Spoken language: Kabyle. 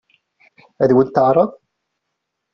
Ad wen-t-teɛṛeḍ?